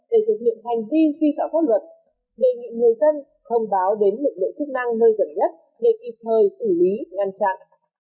để thực hiện hành vi vi phạm pháp luật đề nghị người dân thông báo đến lực lượng chức năng nơi gần nhất để kịp thời xử lý ngăn chặn